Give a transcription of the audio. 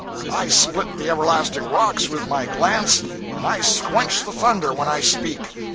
I split the everlasting rocks with my glance, and I squench the thunder when I speak!